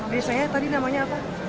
desanya tadi namanya apa